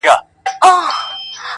د ورځې ماته د جنت په نيت بمونه ښخ کړي~